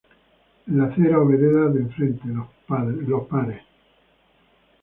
En la acera o vereda de enfrente, los pares.